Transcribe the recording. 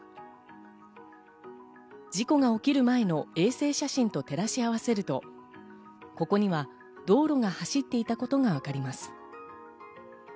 事故が起きる前の衛星写真と照らし合わせると、ここには道路が走っていたことがわかります。